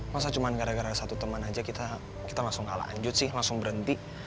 masa cuma gara gara satu teman aja kita langsung kalah lanjut sih langsung berhenti